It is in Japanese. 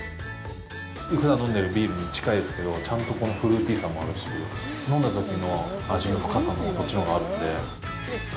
ふだん飲んでるビールに近いですけど、ちゃんとフルーティーさもあるし、飲んだときの味の深さもこっちのほうがあるので。